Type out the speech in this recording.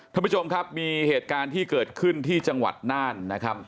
ท่านผู้ชมครับมีเหตุการณ์ที่เกิดขึ้นที่จังหวัดน่านนะครับ